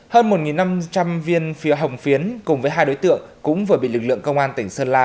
hơn một năm trăm linh viên phía hồng phiến cùng với hai đối tượng cũng vừa bị lực lượng công an tỉnh sơn la